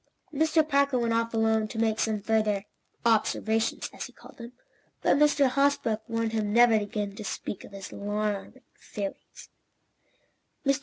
Mr. Parker went off alone, to make some further "observations" as he called them, but Mr. Hosbrook warned him never again to speak of his alarming theories.